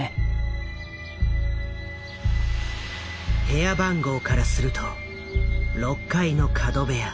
部屋番号からすると６階の角部屋。